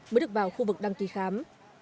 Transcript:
mới được bảo đảm